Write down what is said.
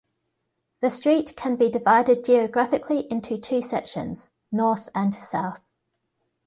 The street can be divided geographically into two sections, North and South.